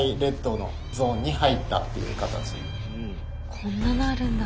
⁉こんななるんだ。